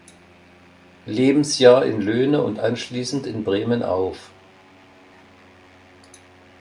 Lebensjahr in Löhne und anschließend in Bremen auf.